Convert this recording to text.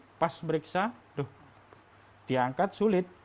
lalu pas meriksa diangkat sulit